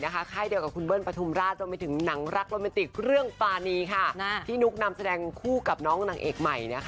ค่ายเดียวกับคุณเบิ้ลปฐุมราชรวมไปถึงหนังรักโรแมนติกเครื่องฟานีที่นุ๊กนำแสดงคู่กับน้องนางเอกใหม่